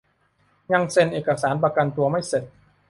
ยังเซ็นเอกสารประกันตัวไม่เสร็จ